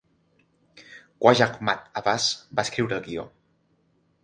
Khwaja Ahmad Abbas va escriure el guió.